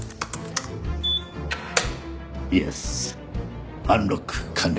イエスアンロック完了。